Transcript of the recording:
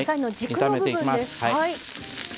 炒めていきます。